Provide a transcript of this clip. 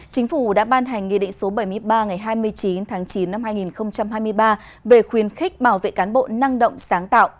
chính phủ đã ban hành nghị định số bảy mươi ba ngày hai mươi chín tháng chín năm hai nghìn hai mươi ba về khuyến khích bảo vệ cán bộ năng động sáng tạo